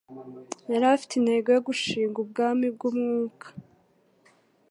yari afite intego yo gushinga ubwami bw'umwuka,